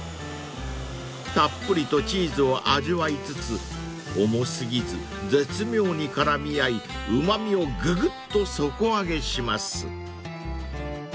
［たっぷりとチーズを味わいつつ重過ぎず絶妙に絡み合いうま味をぐぐっと底上げします］